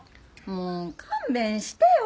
もう勘弁してよ。